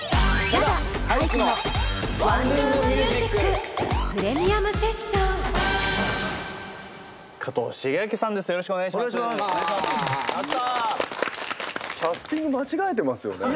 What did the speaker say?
キャスティング間違えてますよね？